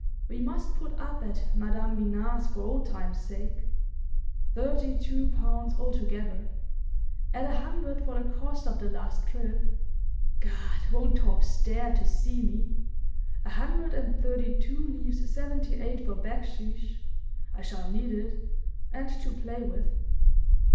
We must put up at Madam Binat's for old time's sake. Thirty two pounds altogether. Add a hundred for the cost of the last trip—Gad, won't Torp stare to see me!—a hundred and thirty two leaves seventy eight for baksheesh—I shall need it—and to play with.